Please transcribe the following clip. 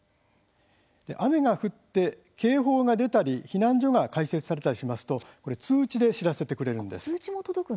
雨が降って警報が出たり避難所が開設されたりしますと通知で知らせてくれるんです。